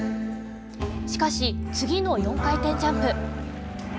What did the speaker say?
しかし、次の４回転ジャンプ。